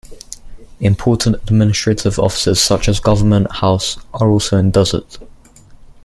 Important administrative offices such as Government House are also in Dusit.